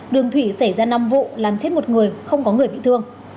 đường thủy xảy ra năm vụ làm chết một người không có người bị thương